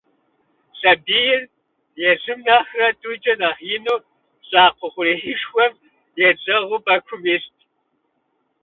Сэбийр езым нэхърэ тӏукӏэ нэхъ ину щӏакхъуэ хъурейшхуэм едзэгъуу пӏэкум ист.